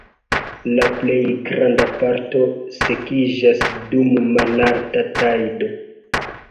La plej granda parto sekiĝas dum malalta tajdo.